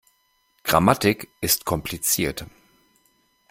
Grammatik ist kompliziert.